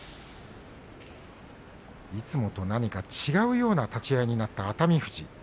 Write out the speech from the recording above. いつもと何か違うような立ち合いになった熱海富士。